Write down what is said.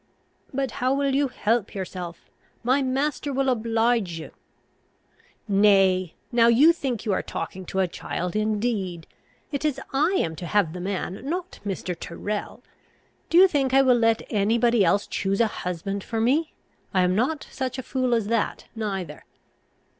"But how will you help yourself? My master will oblige you." "Nay, now you think you are talking to a child indeed. It is I am to have the man, not Mr. Tyrrel. Do you think I will let any body else choose a husband for me? I am not such a fool as that neither."